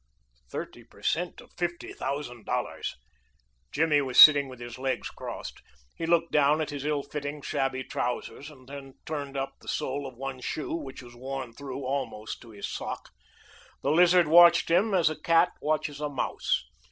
Thirty per cent of fifty thousand dollars! Jimmy was sitting with his legs crossed. He looked down at his ill fitting, shabby trousers, and then turned up the sole of one shoe which was worn through almost to his sock. The Lizard watched him as a cat watches a mouse.